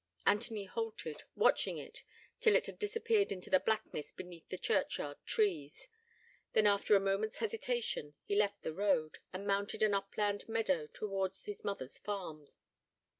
Anthony halted, watching it till it had disappeared into the blackness beneath the churchyard trees. Then, after a moment's hesitation, he left the road, and mounted an upland meadow towards his mother's farm.